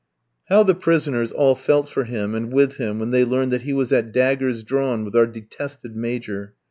How the prisoners all felt for him, and with him when they learned that he was at daggers drawn with our detested Major.